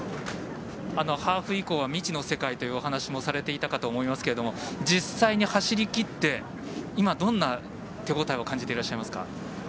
ハーフ以降は未知の世界というお話もされていたかと思いますけども実際に走りきって今、どんな手応えを感じていらっしゃいますか？